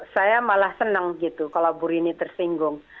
saya malah senang gitu kalau bu rini tersinggung